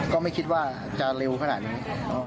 ก็ไม่คิดว่าจะเร็วขนาดนี้